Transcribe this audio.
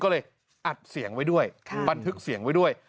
ก็เลยอัดเสียงไว้ด้วยบันทึกเสียงไว้ด้วย